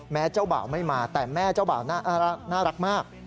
เจ้าบ่าวไม่มาแต่แม่เจ้าบ่าวน่ารักมาก